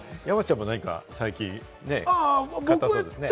山ちゃんも最近ね、買ったそうですね。